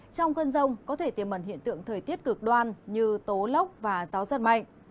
trong cơn rông có thể tiềm mẩn hiện tượng thời tiết cực đoan như tố lốc và gió giật mạnh